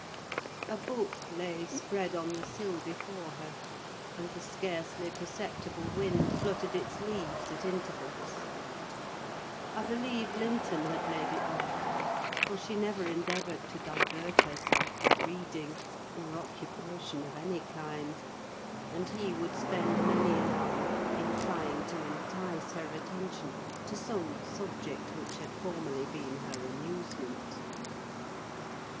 A book lay spread on the sill before her, and the scarcely perceptible wind fluttered its leaves at intervals. I believe Linton had laid it there: for she never endeavoured to divert herself with reading, or occupation of any kind, and he would spend many an hour in trying to entice her attention to some subject which had formerly been her amusement.